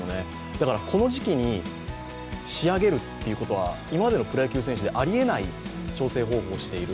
だから、この時期に仕上げるということは今までのプロ野球選手でありえない調整方法をしている。